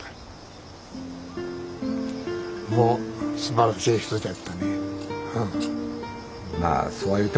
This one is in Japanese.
もうすばらしい人だったねうん。